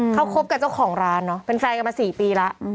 เขาคบกับเจ้าของร้านเนอะเป็นแฟนกันมา๔ปีแล้ว